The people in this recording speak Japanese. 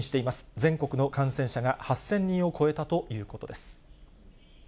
全国の感染者が８０００人を超えたということです。